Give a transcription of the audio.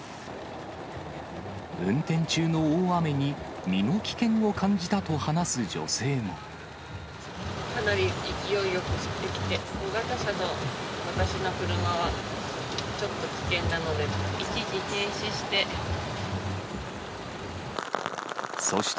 運転中の大雨に、かなり勢いよく降ってきて、小型車の私の車はちょっと危険なので、一時停止して。